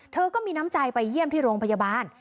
เธอก็มีน้ำใจไปเยี่ยมที่โรงพยาบาล